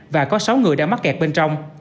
và có sáu người đang mắc kẹt bên trong